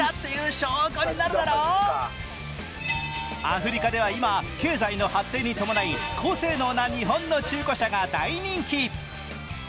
アフリカでは今、経済の発展に伴い高性能な日本の中古車が大人気。